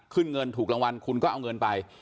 ขึ้นเงินถูกรางวัลคุณก็เอาเงินไป